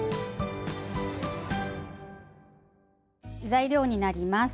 材料になります。